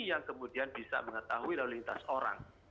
yang kemudian bisa mengetahui lalu lintas orang